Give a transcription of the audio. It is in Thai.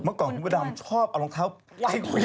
เมื่อก่อนพี่ประดัมชอบเอารองเท้าทางเข้ายังน้อย